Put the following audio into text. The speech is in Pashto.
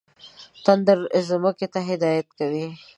تندر ځمکې ته هدایت کوي.